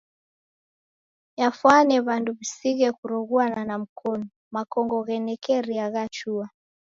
Yafwane w'andu w'isighe kuroghuana na mkonu. Makongo ghenekeriana ghachua.